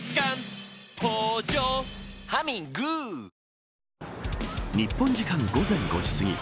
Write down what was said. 「ビオレ」日本時間、午前５時すぎ。